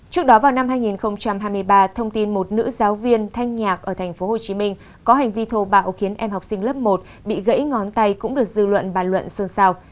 trước đó vào năm hai nghìn hai mươi ba thông tin một nữ giáo viên thanh nhạc ở tp hcm có hành vi thô bạo khiến em học sinh lớp một bị gãy ngón tay cũng được dư luận bàn luận xuân sao